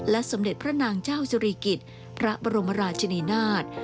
สมเด็จพระนางเจ้าสิริกิจพระบรมราชนีนาฏ